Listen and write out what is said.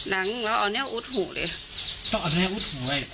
ดังแล้วเอาแนวอุดหูเลยต้องเอาแนวอุดหูไว้